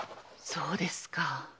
そうですか。